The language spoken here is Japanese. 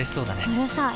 うるさい。